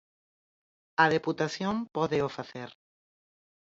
A deputación pódeo facer.